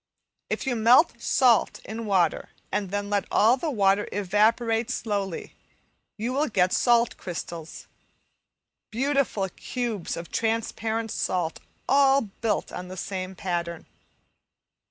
If you melt salt in water and then let all the water evaporate slowly, you will get salt crystals; beautiful cubes of transparent salt all built on the same pattern.